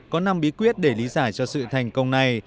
có năm bí quyết để lý giải cho sự thành công này